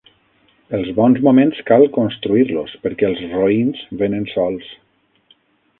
Els bons moments cal construir-los, perquè els roïns vénen sols.